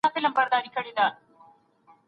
څو لفظونه مي د میني ورته ورکړه